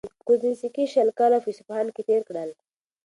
کروزینسکي شل کاله په اصفهان کي تېر کړل.